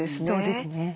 そうですね。